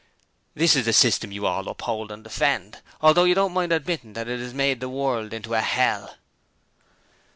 This is the system you all uphold and defend, although you don't mind admitting that it has made the world into a hell.'